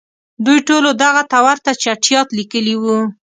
دوی ټولو دغه ته ورته چټیاټ لیکلي وو.